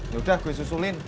yaudah gue susulin